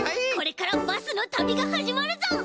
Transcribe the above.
これからバスのたびがはじまるぞ！